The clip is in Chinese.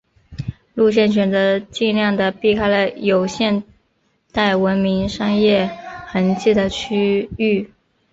路线选择尽量的避开了有现代文明商业痕迹的区域。